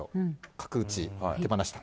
角打ち、手放した。